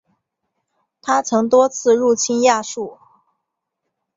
他曾多次入侵亚述。